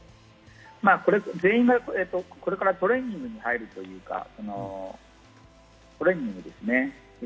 全員がこれからトレーニングに入るというか、トレーニングですね。